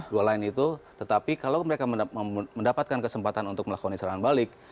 dua lain itu tetapi kalau mereka mendapatkan kesempatan untuk melakukan serangan balik